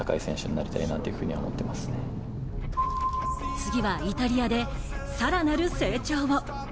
次はイタリアで、更なる成長を。